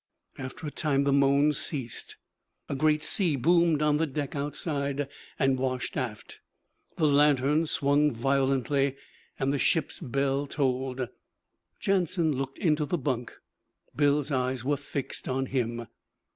After a time the moans ceased. A great sea boomed on the deck outside, and washed aft. The lantern swung violently, and the ship's bell tolled. Jansen looked into the bunk; Bill's eyes were fixed on him.